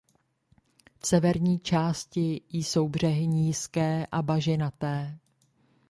V severní části jsou břehy nízké a bažinaté.